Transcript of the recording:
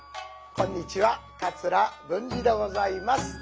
こんにちは桂文治でございます。